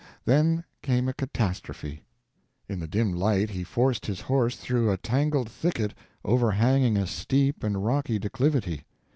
Then came a catastrophe. In the dim light he forced his horse through a tangled thicket overhanging a steep and rocky declivity.